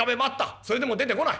それでも出てこない。